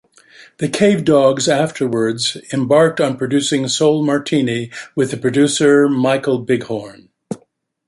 The Cavedogs afterwards embarked on producing "Soul Martini" with the producer Michael Bighorn.